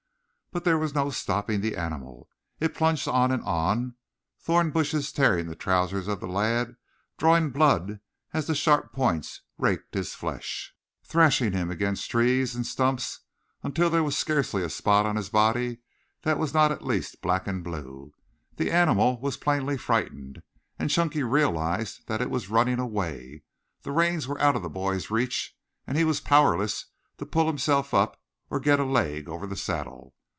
But there was no stopping the animal. It plunged on and on, thorn bushes tearing the trousers of the lad, drawing blood as the sharp points raked his flesh, threshing him against trees and stumps until there was scarcely a spot on his body that was not at least black and blue. The animal was plainly frightened, and Chunky realized that it was running away. The reins were out of the boy's reach and he was powerless to pull himself up or get a leg over the saddle.